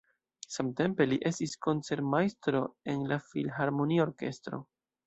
Samtempe li estis koncertmajstro en filharmonia orkestro.